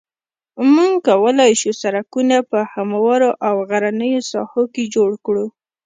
موږ کولای شو سرکونه په هموارو او غرنیو ساحو کې جوړ کړو